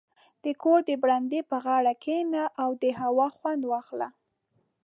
• د کور د برنډې پر غاړه کښېنه او د هوا خوند واخله.